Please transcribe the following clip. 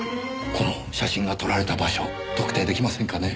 この写真が撮られた場所特定出来ませんかね？